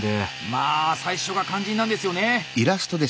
まあ最初が肝心なんですよね。